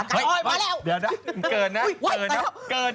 เห้ยเดี๋ยวนะเกิดนะเกิดเกิด